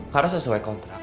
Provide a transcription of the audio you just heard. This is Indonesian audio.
karena sesuai kontrak